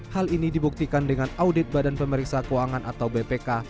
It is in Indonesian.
hal ini dibuktikan dengan audit badan pemeriksa keuangan atau bpk